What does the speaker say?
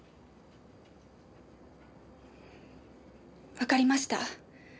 わかりました。